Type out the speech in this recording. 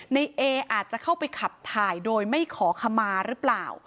ในเออาจจะเข้าไปขับถ่ายโดยไม่ขอขมาหรือเปล่า